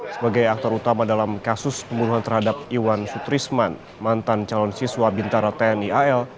sebagai aktor utama dalam kasus pembunuhan terhadap iwan sutrisman mantan calon siswa bintara tni al